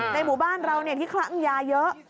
ในหมู่บ้านเราที่คลั่งยาเยอะ